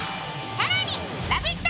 更に、ラヴィット！